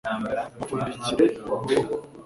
bapfundikire amaboko